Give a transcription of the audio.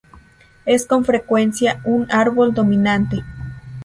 Es con frecuencia un árbol dominante.